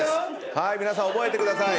はーい皆さん覚えてください。